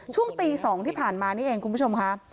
ช่วงตี๒ที่ผ่านมานี่เองคุณผู้ชมค่ะ